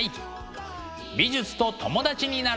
美術と友達になろう！